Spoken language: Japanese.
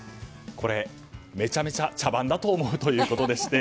めちゃめちゃ茶番だと思うということでして。